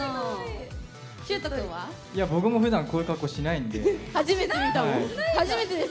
僕もふだんこういう格好しないので。